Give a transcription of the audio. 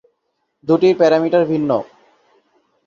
দুটির প্যারামিটার ভিন্ন।